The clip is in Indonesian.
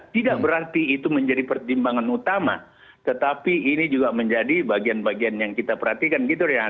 tidak berarti itu menjadi pertimbangan utama tetapi ini juga menjadi bagian bagian yang kita perhatikan gitu ya